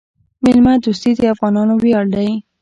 میلمه دوستي د افغانانو ویاړ دی.